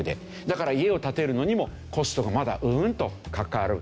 だから家を建てるのにもコストがまだうんとかかる。